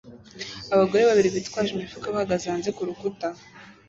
Abagore babiri bitwaje imifuka bahagaze hanze kurukuta